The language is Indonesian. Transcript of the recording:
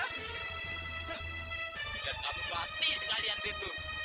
lihat aku mati sekalian di situ